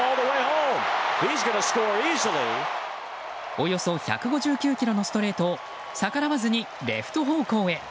およそ１５９キロのストレートを逆らわずにレフト方向へ。